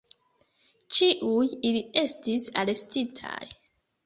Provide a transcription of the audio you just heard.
Ĉiuj ili estis arestitaj.